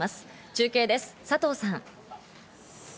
中継です、佐藤さん。